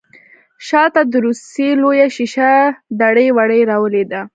شا ته د ورسۍ لويه شيشه دړې وړې راولوېده.